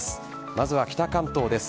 まずは北関東です。